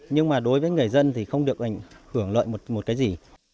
nhưng mà đối với người dân thì không được hưởng lợi một cái gì